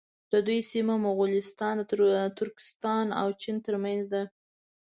د دوی سیمه مغولستان د ترکستان او چین تر منځ ده.